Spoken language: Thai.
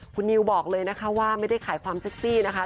คุณนิวบอกเลยนะคะว่าไม่ได้ขายความเซ็กซี่นะคะ